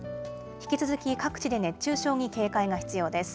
引き続き各地で熱中症に警戒が必要です。